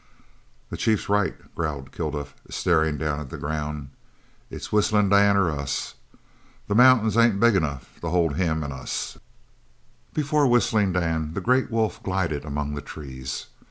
"The chief's right," growled Kilduff, staring down at the ground. "It's Whistlin' Dan or us. The mountains ain't big enough to hold him an' us!" Before Whistling Dan the great wolf glided among the trees.